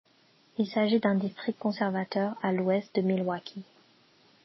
Il s'agit d'un district conservateur à l'ouest de Milwaukee.